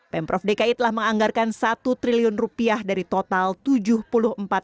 pemprov dki telah menganggarkan satu triliun rupiah dari total tujuh puluh manajemen